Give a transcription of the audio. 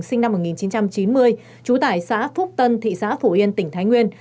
sinh năm một nghìn chín trăm chín mươi trú tải xã phúc tân thị xã phổ yên tỉnh thái nguyên